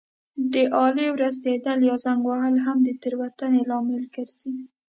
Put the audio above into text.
د آلې ورستېدل یا زنګ وهل هم د تېروتنې لامل ګرځي.